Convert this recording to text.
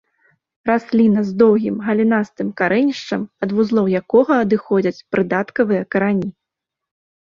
Расліна з доўгім галінастым карэнішчам, ад вузлоў якога адыходзяць прыдаткавыя карані.